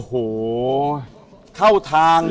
โอ้โหเข้าทาง